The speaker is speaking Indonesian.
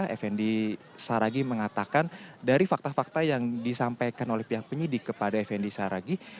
effendi saragi mengatakan dari fakta fakta yang disampaikan oleh pihak penyidik kepada effendi saragi